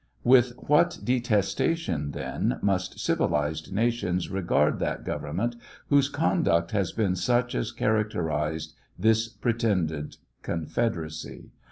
With what detestation, then, must civilized nations regard that government whose conduct has been such as characterized this pretended confederacy.